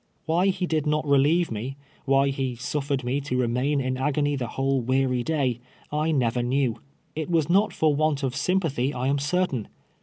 "Why he did not relieve me — why he suffered me to remain in agony the whole weary day, I iiever knew. It was not for want of sympathy, I am certain.